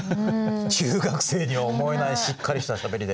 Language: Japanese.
中学生には思えないしっかりしたしゃべりで。